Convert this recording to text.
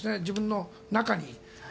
自分の中に。